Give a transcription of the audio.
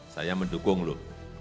saya dukung lu